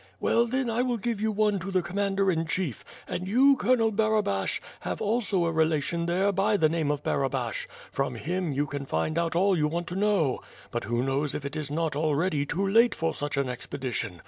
W^ell, then, I will give you one to the commander in chief, and you, Colonel Barabash, have also a relation there by the name of Barabash; from him, you can find out all you want to know. But who knows if it is not already too late for such an expedition.